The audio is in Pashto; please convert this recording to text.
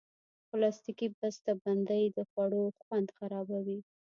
پلاستيکي بستهبندۍ د خوړو خوند خرابوي.